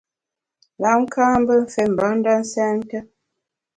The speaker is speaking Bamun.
Lam ka’ mbe mfé mbanda nsènte.